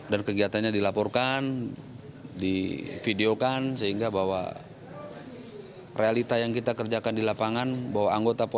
dan kegiatannya dilaporkan divideokan sehingga bahwa realita yang kita kerjakan di lapangan